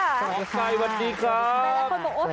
หมอกไก่สวัสดีครับ